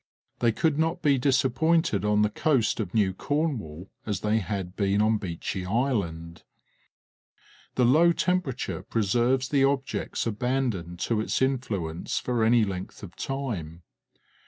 They could not be disappointed on the coast of New Cornwall as they had been on Beechey Island. The low temperature preserves the objects abandoned to its influence for any length of time.